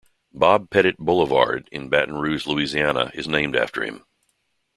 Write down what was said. "Bob Pettit Boulevard" in Baton Rouge, Louisiana is named after him.